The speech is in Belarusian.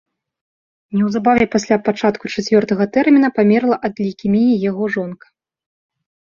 Неўзабаве пасля пачатку чацвёртага тэрміна памерла ад лейкеміі яго жонка.